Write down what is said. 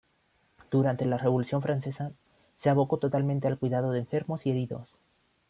Durante la Revolución francesa, se abocó totalmente al cuidado de enfermos y heridos.